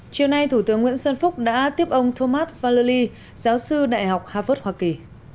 chiều nay thủ tướng nguyễn xuân phúc đã tiếp ông thomas vali giáo sư đại học harvard hoa kỳ